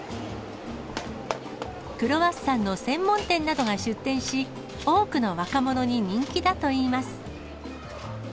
クロワッサンの専門店などが出店し、多くの若者に人気だといいます。